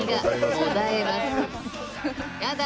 やだ！